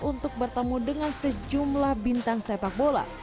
untuk bertemu dengan sejumlah bintang sepak bola